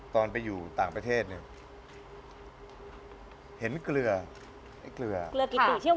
ตอนไปอยู่ต่างประเทศเห็นเกลือกีติเชี่ยววงกูลนี่ค่ะ